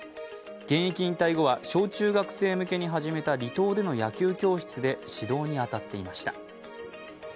現役引退後は小中学校向けに始めた離島での野球教室で指導に当たっていました。